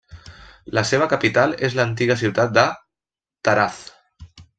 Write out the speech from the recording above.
La seva capital és l'antiga ciutat de Taraz.